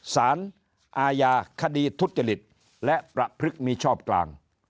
สารอาญาคดีทุจริตและประพฤติมิชอบกลาง